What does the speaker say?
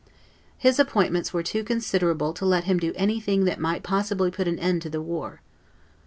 His appointments were too considerable to let him do anything that might possibly put an end to the war.